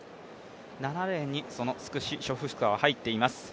７レーンに、そのスクシショフスカは入っています。